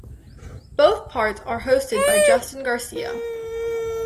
Both parts are hosted by Justin Garcia.